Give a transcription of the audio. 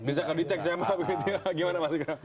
bisa kedetek bagaimana mas